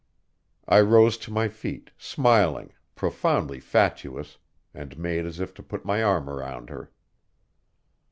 I rose to my feet, smiling, profoundly fatuous, and made as if to put my arm around her.